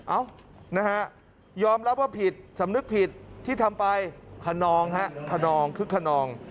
เอ้านะฮะยอมรับว่าผิดสำนึกผิดที่ทำไปขนองฮะขนองคึกขนอง